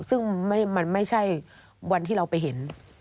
ซึ่งมันไม่ใช่วันที่เราไปเห็น